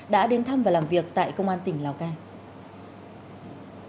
đã đến thăm và làm việc tại công an tỉnh lào cai